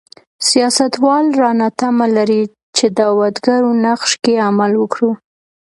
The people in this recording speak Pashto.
سیاستوال رانه تمه لري چې دعوتګرو نقش کې عمل وکړو.